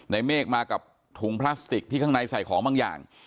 เมฆมากับถุงพลาสติกที่ข้างในใส่ของบางอย่าง